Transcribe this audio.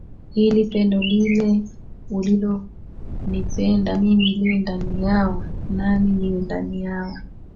ili pendo lile ulilonipenda mimi liwe ndani yao nami niwe ndani yao